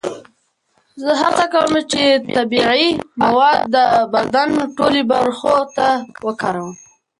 زه هڅه کوم چې طبیعي مواد د بدن ټولو برخو ته وکاروم.